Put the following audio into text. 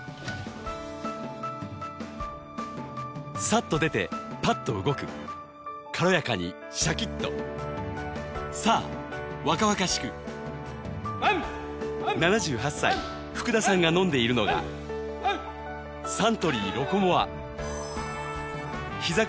さっと出てパッと動く軽やかにシャキッと７８歳福田さんが飲んでいるのがサントリー「ロコモア」ひざ